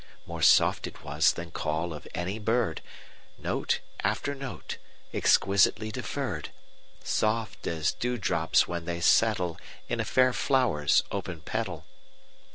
More soft it was than call of any bird, Note after note, exquisitely deferr'd, Soft as dew drops when they settleIn a fair flower's open petal.